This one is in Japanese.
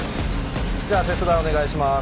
じゃあ切断お願いします。